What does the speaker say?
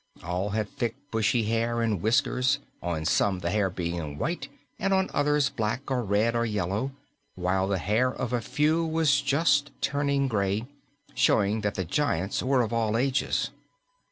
All had thick, bushy hair and whiskers, on some the hair being white and on others black or red or yellow, while the hair of a few was just turning gray, showing that the giants were of all ages.